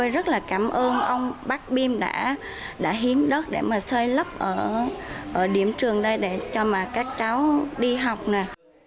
rất là cảm ơn ông bác bim đã hiến đất để mà xây lấp ở điểm trường đây để cho mà các cháu đi học nè